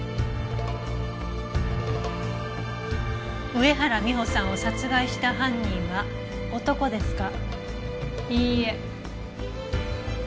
上原美帆さんを殺害した犯人は男ですか。